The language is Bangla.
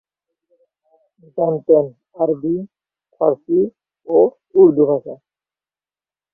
জানতেন আরবি, ফারসি ও উর্দু ভাষা।